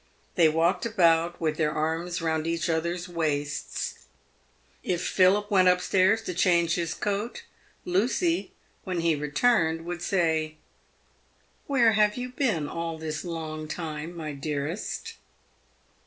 They walked about with their arms round each other's waists. If Philip went up stairs to change his coat, Lucy, when he returned, would say, " Where have you been all this long time, my dearest